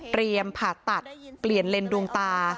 เตรียมผ่าตัดเปลี่ยนเลนดูงตา